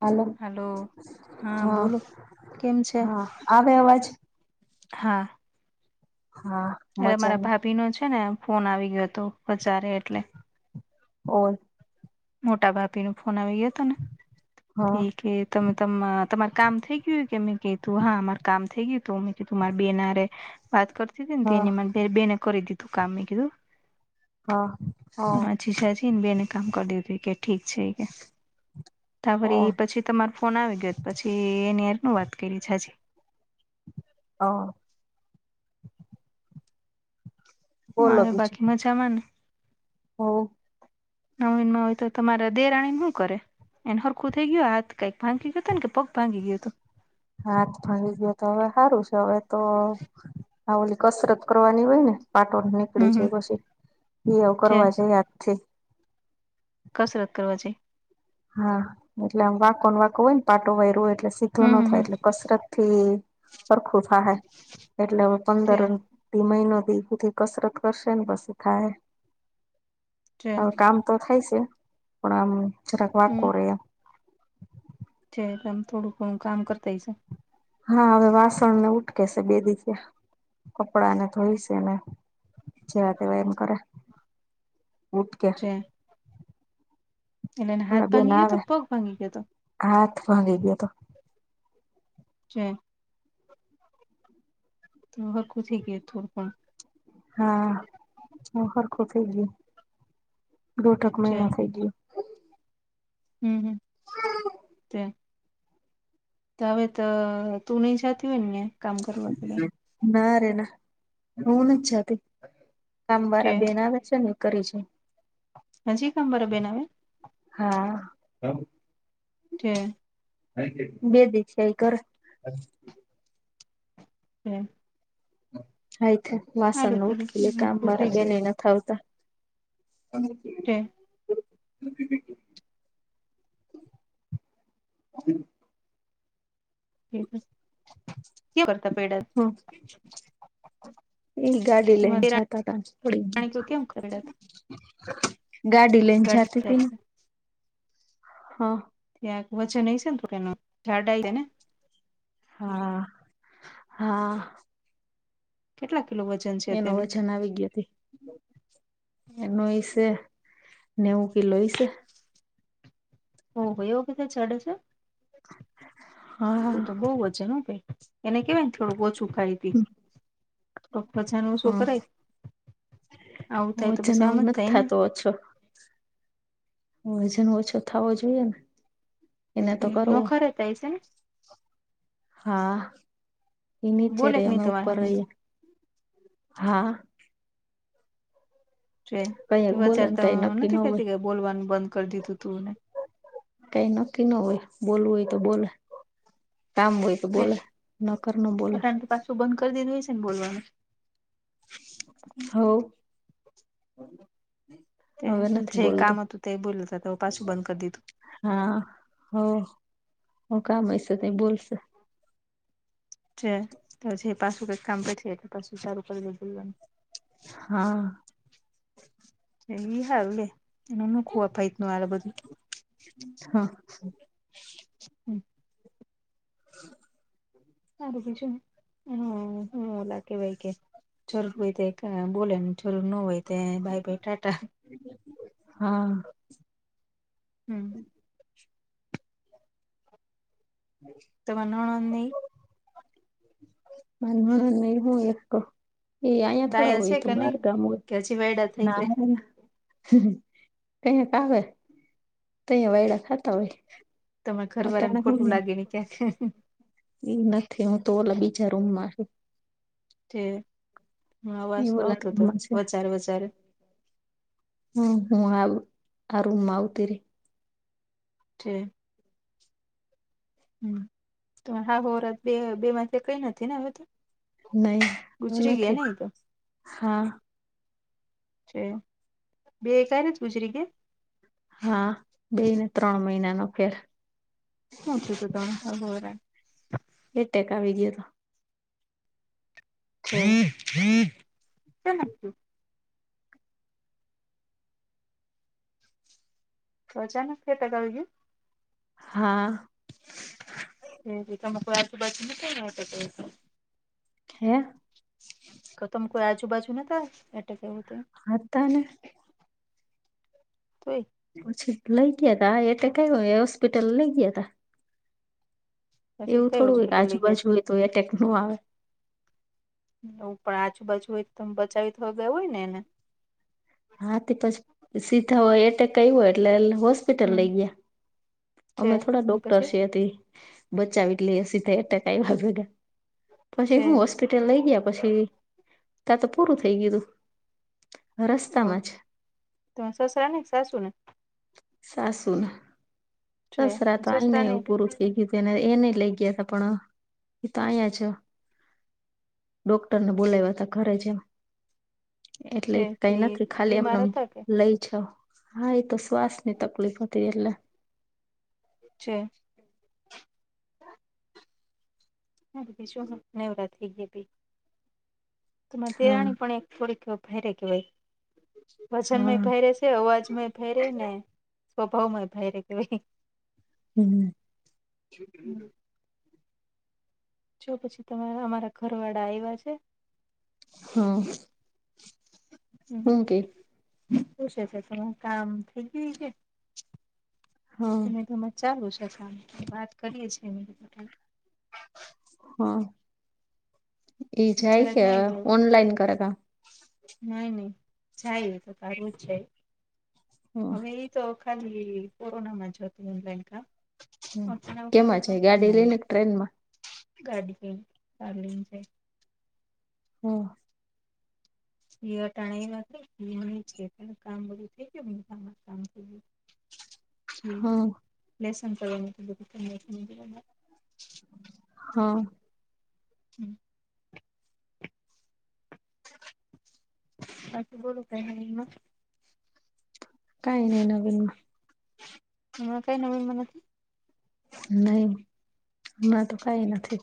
હાલો hello, હા બોલો, કેમ છે? હા આવે અવાજ હા. હા. અરે, મારા મજામાં ભાભીનો છેને ફોન આવી ગયો હતો, બજારે એટલે ઓર મોટા ભાભીનો ફોન આવી ગયો હતો ને, હા ઇ કે તમે તમ તમારું કામ થઈ ગયું? કે મેં કીધું, હા મારું કામ થઈ ગયું તું મેં કીધું, મારા બેન અરે વાત કરતી હતી ને, હા તેણે મને બેને કરી દીધું કામ, મેં કીધું. હ હો છે છીન બેને કામ કરી દીધું, કે ઠીક છે, ત્યા હા વરી પછી તમારો ફોન આવી ગયો, પછી એની સાથ ન વાત કરી છા જી અ બોલો મારે બીજું બાકીમાં જવાનું. હો. નવીનમાં હોય તો, તમારા દેરાણી હુ કરે? એને સરખું થઈ ગયું હાથ? કંઈ ભાંગી ગયું તુ ને કે પગ ભાંગી ગયો હતો? હાથ ભાંગી ગયો હતો, તો હવે સારું છે, હવે તો અ ઓલી કસરત કરવાની હોય ને. પાટો હમ નીકળી હમ જાય પછી, નીરવ છે કરવા જઇએ આખી કસરત કરવા જે હા, એટલે આમ વાંકોને વાંકો હોય ને, પાટો વાયરો હોય. એટલે સીધું હમ ન હમ હમ થાય, એટલે કસરતથી હરખું થ હા હે, એટલે હવે છે પંદર ન અઢી મહિનો સુધી કસરત કરશે ને, પછી થાહે, છે હવે કામ તો થાય છે, પણ આમ જરાક વાંકો હમ રહે આમ. છે એમ, થોડું ઘણું કામ કરતી શે. હા, હવે વાસણ ને ઉટકે છે, બે દિવસા કપડાં ને ધોઈ શે ને. જ્યારે એમ કરે છે, ઉટકે છે એટલે એને, હાથ ઓલા બેન ભાંગી ગયો આવે તો પગ ભાંગી ગયો હતો? હાથ ભાંગી ગયો હતો. છે. અ હરખું થઈ ગયું તુ પણ હા હરખું થઈ ગયું, દોઢ એક છે મહિનો થઈ ગયો. હમ્મ હમ્મ, તે તો હવે તો તું નહી જાતિ હોય ને કામ કરવા કે કાઈ? ના રે ના, હું નથ જાતિ, તે કામવાળા બેન આવે છે ને, એ કરે છે. હજી કામવાળા બેન આવે? હા. કે બે દિવ છે, કરે. એમ હાય થે, વાસણ હારું નો ઉટકી લે, તો થઈ કામવારા જાય બેને નથ આવતા. તે હમ. કે બરતા પેડ. હા. એ ગાડી લઈને એમ તમારે જાતા તા પાણી કેમ કરડત [unintelligible] ગાડી લઈને જાતી ગાડી હતીને. હા. ત્યાં વચજન નહીં છે ને તો એ ઝાડા આય રને. હા હા. કેટલા કિલો વ એનો વજન આવી ગય હતી એનો એ છે. નેવું કીલો હશે. ઓ બઈ ઓ કતે ચડે છે, તું તો હા બઉ વજન હ બેન. એને કેવાય ને થોડુંક ઓછું ખાઈ હતી. થ વજન ઓછું હા કરાય. આવું થાય તો પછ વજન આમ હવે જ નથી થાય ને. થતો ઓછો. વજન ઓછો થવો જોઈએ ને. એને તો નો કરવો ખરત એ છે. હા એ નીચે બોલે કે રહી નહી અમે તમારે ઉપર હામું રહીએ તો હા. રે કઈ બોલે ને કઈ વચારતા નક્કી ન નથી હોય કેતી કે બોલવાનું બંધ કરી દીધું તુંને. કઈ નક્કી ન હોય બોલવું હોય તો બોલે કામ હોય. તો બોલે નકર ન બોલે અત્યાર તો પાછું બંધ કરી દીધું હોય છે ને બોલવા નું. હ. ત જે કામ હતું તે બોલ જ પાછું બંધ કર દીધું. હા હો હ કામ હસે તય બોલસે. છે તો જે પાછું કઈક કામ પ એ તો પાછું સારું કરી દે જોવાનું. હા. એ ઈ હારુ હ એનું ન ખું અભાઈત ન આ બધું. હા. હમ. [inaudible] સારું બીજું હું હ લ કેવાય કે. જરૂર હોય તે બોલે ને જરૂર ન હોય તે બાઈ-બાઈ ટાટા. હા. હમ. હમ. તમારે નણંદ ને ઇ, મારી નણંદ ને એ બહુ એક હ. એ અહીયા થોડા ડાયા હોય છે એતો કે નઈ બાર ગામ હોય કે હજી વાયડા થઈ ના. છે કયક આવે તહીયા વાયડા ખાતા હોય. તમારે ઘરવાળાને અટાણે ખોટું લાગે ને ક્યાંક. એ નથી હું તો ઓલા બીજા રૂમ માં હે. છે અવાજ ઈ તો ઓલા આવતો હતો રૂમમાં છે વચારે વચારે. હમ હું આવું સારુ હું આવતી ર. ઠીક. તમારા સાસુહોરા બે બે માંથી એકય નથી ને હવે તો. નહીં, ગુજરી ગયા નથી, ને ઈ તો હા. છે. બે કઈ રીતે ગુજરી કે. હા, બે ને, ત્રણ મહિના નો ફેર. હછ તો તરા [unintelligible] એટે કાવી ગયો હતો. હ હ શ [unintelligible] તોચાાન ફટ કરળજું [unintelligible] હા. એી મ આજુબાજુ મ ક [unintelligible] હે. તો તમે કોઈ આજુબાજુ ની એટેક એવું તો. અ તને. ત [unintelligible] પછી લઇ ગયા તા, એક હોસ્પિટલ લઈ ગયા તા. પછી એવું કઈ થોડું હોય કે, હોસ્પિટલ લઈ ગયા આજુબાજુ હોય તો, એટેક ન આવે. હ, પણ આજુબાજુ હોય તો, બચાવ થઈ ગયો હોય ને. હા, થી પછી સીધા હોય, એટ કય હોય એટલે. હોસ્પિટલ હમ લઈ ગયા, છે અમે થોડા ડોક્ટર પછી છ હતી. બચાવ એટલે સીધા અટકાયલા પછી છે હું. હોસ્પિટલ લઈ ગયા, પછી ત્યાં તો પૂરું થઈ ગયું. ઓ રસ્તામાં જ તમા સસરા ને કે, સાસુ ને. સાસુને, છે દસરાત વાલને, સસરા ને પુરુ. એ કીધને એ નહ લઈ ગયા ત પણ તયા છ [unintelligible] ડોક્ટરને બોલાયાતા ઘરે છે, છે એટલે તે કઈ નથી. ખાલી બીમાર એમને હતા કે લઈ જાાવ. હા, એ તો શ્વાસ ની તકલીફ હતી એટલે. [unintelligible] હ બધી શું નવરાત્રી થઈ ગયા ભી તો હા તેરાણી પણ એક [unintelligible] થોડી કે ભહેરે કે, ભય હા વજનમાં ભહેરે છે. અવાજમાં ફેરે ને, સ્વભાવમાંય ફેરે કે. હમ. જ. જો પછી તમારે અમારા ઘર વાળા આવ્યા છે. હા. હું કે હમ પછી છે, તો કામ થઈ ગયું છે. હા જ ચાલુ છે, સા વાત કરીએે છીએ. હા, એ જાય જરાક કે, નહી રહો ઓનલાઈન કરે? નહી, નહી જાય, એ તો સારવું જ જાય. હવે એ તો ખાલી કોરોના માં જ હતું, એ લોકા હ કેમાં છે, ગાડી લઈને કે, ટ્રેન માં. ગાડી ચાલી છે. હમ. એવા ટાણા કામ બધું થઈ ગયું, કામ થઈ ગયું. [unintelligible] હા લેસન કરે. હા. હમ [unintelligible] કઈ નહી નવીનમા હા કઈ નવીન મા નથી નહી મારતો કાઈ નથી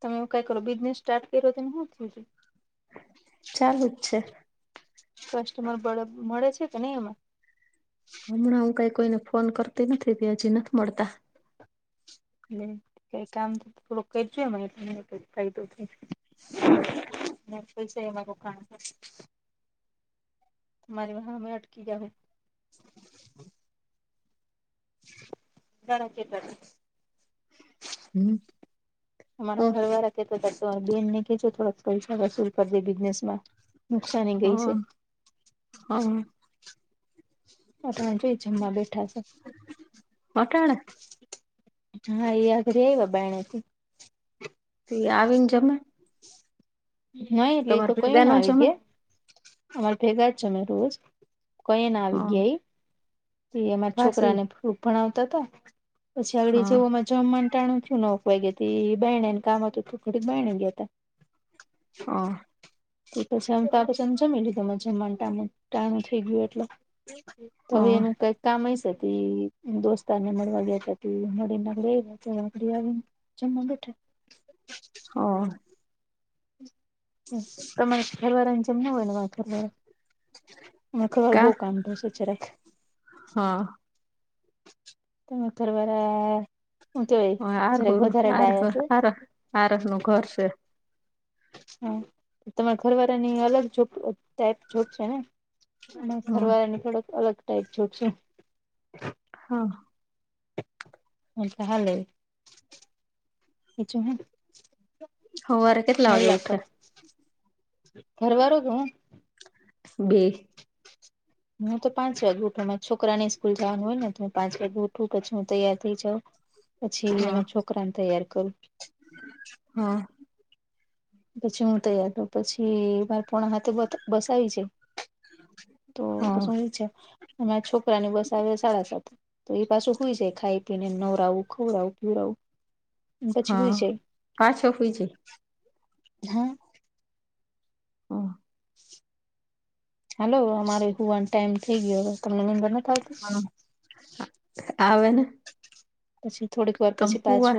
તમે કઈ કરો બિઝનેસ સ્ટાર્ટ કર્યો તોને હુ થયું ચાલું જ છે. કસ્ટમર બડે મળે છે કે નહી એમાં. હમણાં હું કઈ કોઈને ફોન કરતી નથી તે હજી નથ મળતા. એ કઈ કામ થોડું કરજો એટલે મન કઈ ફાયદો થાય. ને ખુલશે એમા [unintelligible] [unintelligible] મારી હામે અટકી ગ્યા હે. ઘણા ખેતર હે હમ મારા ઓ ઘરવાળા [inaudible] બેનને કેજો થોડાક પૈસા વસૂલ કર દે બિઝનેસ માં. હ હા. ટાઈમ જોઈ જમવા બેઠા શે. અટાણે હા એયા [unintelligible] બાણે થી. તે આવીન જમે. [unintelligible] તમારે ભેગા ન જમે અમાર ભેગા જ જમે રોજ ક ઇ ના હ આવી ગ્યા ઇમ ઇ અમારા પાસી છોકરાને થોડું ભણાવતા હતા પછી આગળ હા જેવું અમન જમવાનું ટાણું થયું નવએક વાયગાથી તે બાયણે કામ હતું તો ઘડીક બાયણે ગયા તા. હ. તે પછી આમ તો પછીમ જમી લીધું મે જમવાનું ટાણુ ટાણુ થઈ ગયું એટલે. હ તોય હવે એનું. કઈક કામ હૈશે એ દોસ્તાર ને મળવા ગ્યાતા તે મળીને [inaudible] આવીને. જમવા બેઠા હા. તમારા ઘરવાળાની જેમ ના હોય અમાર ઘરવાળા. અમારા ઘર બહુ કા કામ પોચે છે જરાક હા. તમાર ઘરવાળા તો એ આર જરાક હોર વધારે આર ડાયા છે. આર આરસ નું ઘર છે હા તમારા ઘરવાળા ની અલગ જોબ ટાઈપ જોબ છે ને. અમાર હમ ઘરવાળાની થોડોક અલગ ટાઈપ જોબ છે હા. ઓમ તો હાલે બીજું હે ને. સવારે કેટલા વાગે હાયલા કરે ઉઠે ઘરવાળો જ હું. બે. હું તો પાંચ વાગે ઉઠવાનું મારે છોકરા ની સ્કૂલ જવાનું હોય ને તો પાંચ વાગે ઉઠું પછી હું તૈયાર થઈ જાઉં. [unintelligible] પછી હા વેલા છોકરાને તૈયાર કરું. હા પછી હું તૈયાર થઉ, પછી માર પોણા આથે બસ આવી જાય, તો હા પસી હું નીચે. અમારા છોકરા ની બસ આવી જાય, સાડા સાતે. ઈ પાછો સુઇ જાય ખાઈ-પીને, નવરાવું ખવડાવું-પીવડાવું. હા, પાછો હુઇ જાય. હ. ઓહ. હલો, અમારે હુવાનો ટાઈમ થઈ ગયો, તમને નિંદર નથી આવતી. હા, આવેને. પછી થોડીક વાર પછી હુવા પાછુ,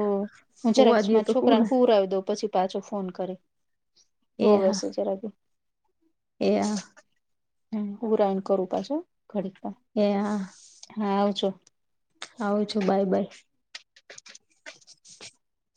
હું જરાક હુવા દયો માર તો છોકરાને હુને હુવરાવી દઉં પછી. પાછો ફોન કર્યો, એ રોવે હા સે જરાક ઇ. [unintelligible] હુવડાવીને પાછું કરું. એ હ. હા, આવ છે. આવું છે, બાય, બાય.